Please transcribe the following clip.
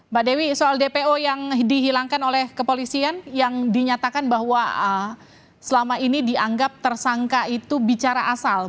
mbak dewi soal dpo yang dihilangkan oleh kepolisian yang dinyatakan bahwa selama ini dianggap tersangka itu bicara asal